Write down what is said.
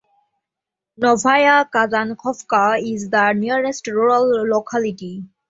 Novaya Kazankovka is the nearest rural locality.